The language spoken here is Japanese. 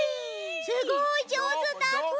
すごいじょうずだった。